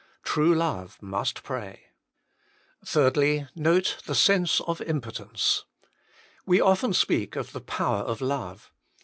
True love must pray. 3. Note the sense of impotence. We often speak of the power of love.